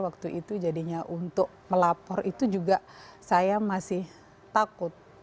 waktu itu jadinya untuk melapor itu juga saya masih takut